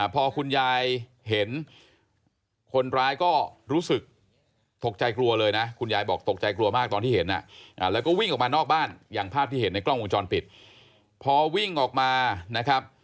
พอคุณยายเห็นคนร้ายก็รู้สึกตกใจกลัวเลยนะ